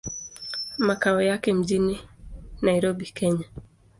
Makao yake mjini Nairobi, Kenya.